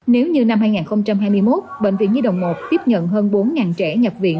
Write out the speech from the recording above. nếu như năm hai nghìn hai mươi một bệnh viện nhi đồng một tiếp nhận hơn bốn trẻ nhập viện